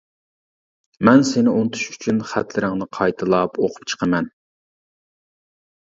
مەن سېنى ئۇنتۇش ئۈچۈن خەتلىرىڭنى قايتىلاپ ئوقۇپ چىقىمەن.